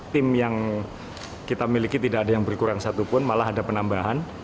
tim yang kita miliki tidak ada yang berkurang satupun malah ada penambahan